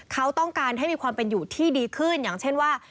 เขาต้องการให้มีความเป็นอยู่ที่ดีขึ้นอย่างเช่นว่า